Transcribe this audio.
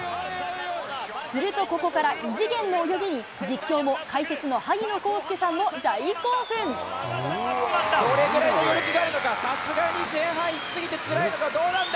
するとここから、異次元の泳ぎに、実況も、解説の萩野公介さんも大さすがに前半行き過ぎてつらいのか、どうなんだ。